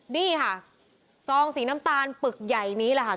นี่ค่ะซองสีน้ำตาลปึกใหญ่นี้แหละค่ะ